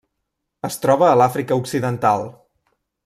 Es troba a l'Àfrica Occidental.